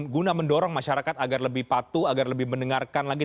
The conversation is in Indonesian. guna mendorong masyarakat agar lebih patuh agar lebih mendengarkan lagi